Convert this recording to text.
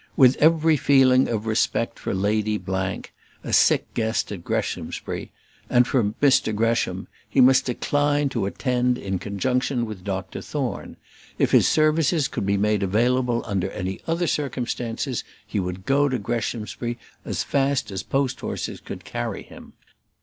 With every feeling of respect for Lady , a sick guest at Greshamsbury and for Mr Gresham, he must decline to attend in conjunction with Dr Thorne. If his services could be made available under any other circumstances, he would go to Greshamsbury as fast as post horses could carry him.